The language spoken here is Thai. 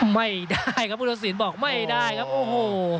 ไม่ได้ครับพุทธศิลปบอกไม่ได้ครับโอ้โห